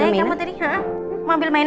katanya kamu tadi mau ambil mainan